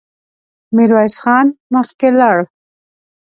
ميرويس خان مخکې لاړ.